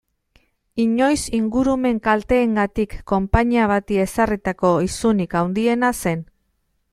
Inoiz ingurumen kalteengatik konpainia bati ezarritako isunik handiena zen.